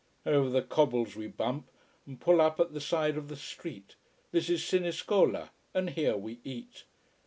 Over the cobbles we bump, and pull up at the side of the street. This is Siniscola, and here we eat.